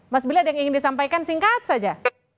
mas billy ada yang ingin disampaikan singkat saja